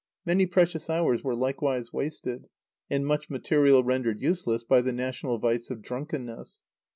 Many precious hours were likewise wasted, and much material rendered useless, by the national vice of drunkenness.